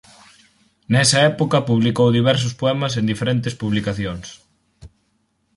Nesa época publicou diversos poemas en diferentes publicacións.